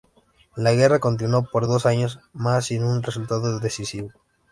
La guerra continuó por dos años más sin un resultado decisivo.